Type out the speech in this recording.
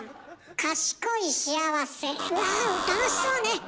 賢い幸せうわ楽しそうね！